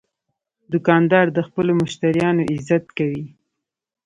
دوکاندار د خپلو مشتریانو عزت کوي.